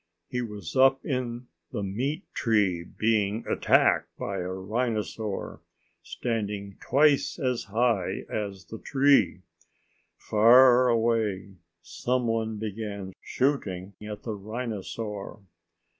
He was up in the meat tree being attacked by a rhinosaur standing twice as high as the tree. Far away someone began shooting at the rhinosaur.